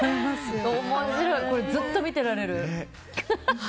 ずっと見てられる。